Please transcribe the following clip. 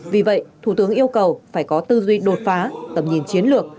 vì vậy thủ tướng yêu cầu phải có tư duy đột phá tầm nhìn chiến lược